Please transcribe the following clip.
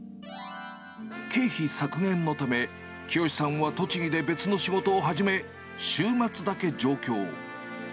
経費削減のため、きよしさんは栃木で別の仕事を始め、週末だけ上京。